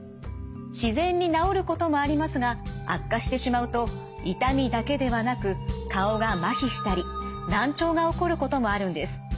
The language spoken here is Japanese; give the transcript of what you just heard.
自然に治ることもありますが悪化してしまうと痛みだけではなく顔がまひしたり難聴が起こることもあるんです。